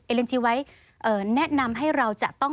เลนจีไว้แนะนำให้เราจะต้อง